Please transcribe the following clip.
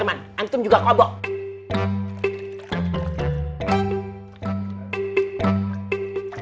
makannya air kobokannya